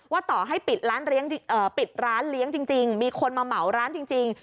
ว่าต่อให้ปิดร้านเลี้ยงจริงมีคนมาเหมาร้านจริง